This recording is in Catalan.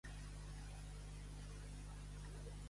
Quina diferència hi ha entre l'anaconda de la pel·lícula i la real?